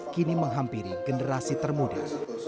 kini menghampiri generasi termudia